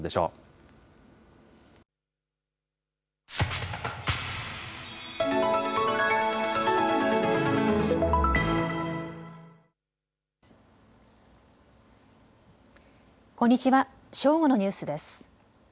正午のニュースです。